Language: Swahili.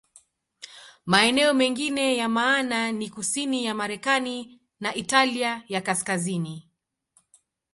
Maeneo mengine ya maana ni kusini ya Marekani na Italia ya Kaskazini.